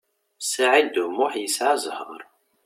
Saɛid U Muḥ yesɛa zzheṛ.